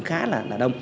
cũng khá là đông